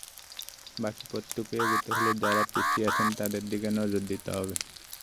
বাকি পথটুকু এগোতে হলে যাঁরা পিছিয়ে আছেন, তাঁদের দিকে নজর দিতে হবে।